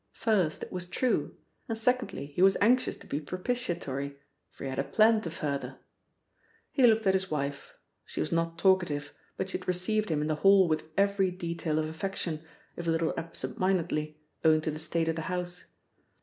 First, it was true, and secondly he was anxious to be propitiatory, for he had a plan to further. He looked at his wife. She was not talkative, but she had received him in the hall with every detail of affection, if a little absent mindedly, owing to the state of the house.